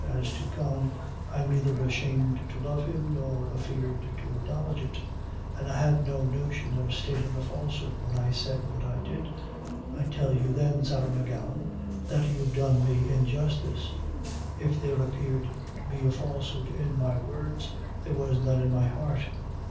As to Con, I'm neither ashamed to love him, nor afeard to acknowledge it; and I had no notion of statin' a falsehood when I said what I did. I tell you, then, Sarah M'Gowan, that you've done me injustice. If there appeared to be a falsehood in my words, there was none in my heart."